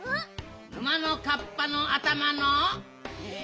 沼のカッパのあたまの。